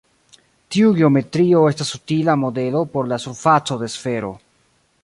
Tiu geometrio estas utila modelo por la surfaco de sfero.